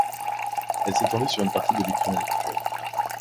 Elle s'étendait sur une partie de l'Ukraine actuelle.